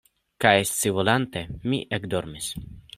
Kaj scivolante, mi ekdormis.